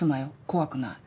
怖くない。